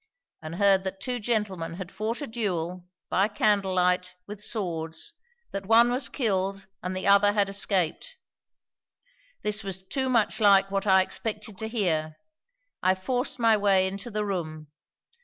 and heard that two gentlemen had fought a duel, by candlelight, with swords; that one was killed and the other had escaped. This was too much like what I expected to hear: I forced my way into the room.